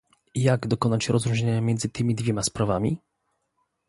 Jak dokonać rozróżnienia między tymi dwiema sprawami?